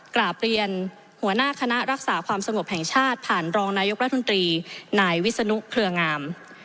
กราบเรียนหัวหน้าคณะรักษาความสงบแห่งชาติผ่านรองนายกรัฐมนตรีนายวิศนุเครืองาม